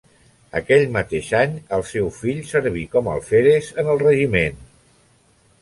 Aquell mateix any el seu fill serví com alferes en el regiment.